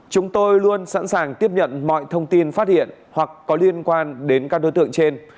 chúng tôi luôn sẵn sàng tiếp nhận mọi thông tin phát hiện hoặc có liên quan đến các đối tượng trên